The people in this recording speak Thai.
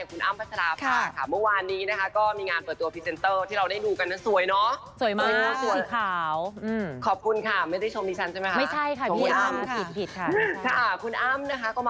คุณอ้ามก็มาเปิดใจกันกันค่ะ